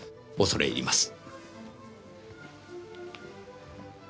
恐れ入ります。